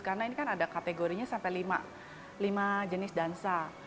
karena ini kan ada kategorinya sampai lima jenis dansa